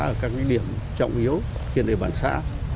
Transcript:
ở các điểm trọng yếu trên địa bàn xã